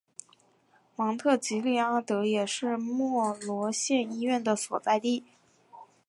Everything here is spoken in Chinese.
芒特吉利阿德也是莫罗县医院的所在地。